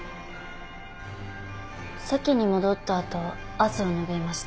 席に戻った後汗を拭いました。